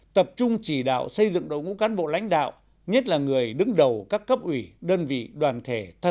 tập trung chỉ đạo xây dựng đội ngũ cán bộ lãnh đạo nhất là người đứng đầu các cấp ủy đơn vị đoàn thể